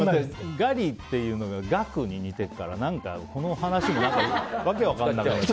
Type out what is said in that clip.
ガリっていうのがガクに似てるから何かこの話もわけ分からなくなってきた。